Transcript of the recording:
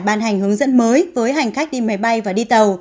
ban hành hướng dẫn mới với hành khách đi máy bay và đi tàu